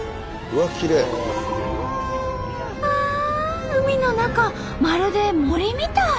ああ海の中まるで森みたい！